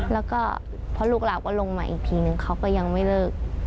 แล้วก็พอลูกเราก็ลงมาอีกทีนึงเขาก็ยังไม่เลิก